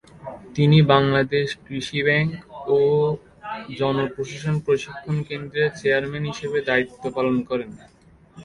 তিনি বাংলাদেশ কৃষি ব্যাংক ও জন প্রশাসন প্রশিক্ষণ কেন্দ্রের চেয়ারম্যান হিসেবে দায়িত্ব পালন করেন।